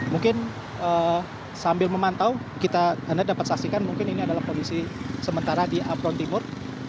mungkin sambil memantau kita dapat saksikan mungkin ini adalah posisi sementara di ambron timur